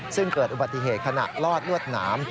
ซึ่งเกิดอุบัติเหตุขณะลอดลวดหนาม